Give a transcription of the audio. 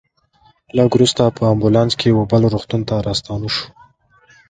لږ شېبه وروسته په امبولانس کې وه بل روغتون ته راستانه شوو.